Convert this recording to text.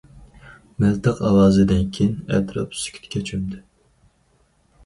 مىلتىق ئاۋازىدىن كېيىن ئەتراپ سۈكۈتكە چۆمدى.